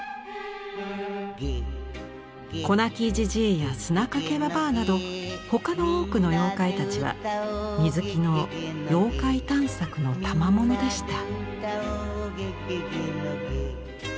子泣きじじいや砂かけばばあなど他の多くの妖怪たちは水木の妖怪探索のたまものでした。